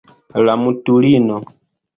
La mutulino.